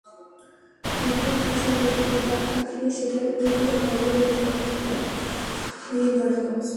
কিন্তু কিছু লোক প্রভাব খাটিয়ে শেডের ভেতর অবৈধভাবে দোকানঘর নির্মাণ করছেন।